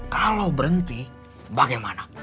kalau berhenti bagaimana